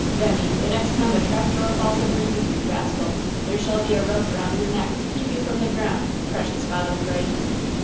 Demmy, the next time a trap door falls under you, you rascal, there shall be a rope around your neck to keep you from the ground, precious Father Grey!"